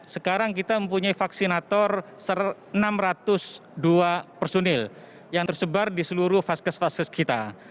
sekarang kita mempunyai vaksinator enam ratus dua personil yang tersebar di seluruh vaskes vaskes kita